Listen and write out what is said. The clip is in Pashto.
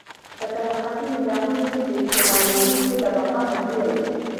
په طبقاتي نظامونو کې استثماریدونکې طبقه مجبوره وي.